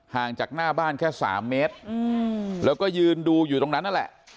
ห่างจากหน้าบ้านแค่๓เมตรแล้วก็ยืนดูอยู่ตรงนั้นนั่นแหละ